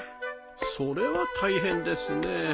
それは大変ですね。